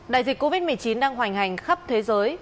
đại dịch covid một mươi chín đang hoành hành khắp thế giới